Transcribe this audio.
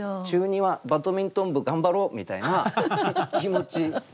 中２はバドミントン部頑張ろうみたいな気持ち。